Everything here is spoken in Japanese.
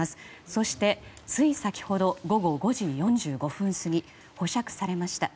そして、つい先ほど午後５時４５分過ぎ保釈されました。